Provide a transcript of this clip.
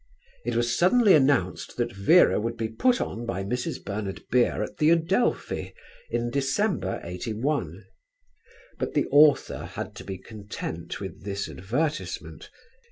It was suddenly announced that Vera would be put on by Mrs. Bernard Beere at The Adelphi in December, '81; but the author had to be content with this advertisement.